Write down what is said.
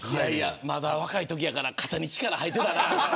まだ若いときやから肩に力入ってたな。